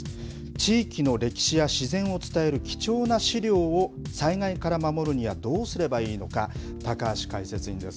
地域の歴史や自然を伝える貴重な資料を災害から守るにはどうすればいいのか、高橋解説委員です。